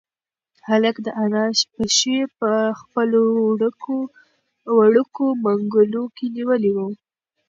هلک د انا پښې په خپلو وړوکو منگولو کې نیولې وې.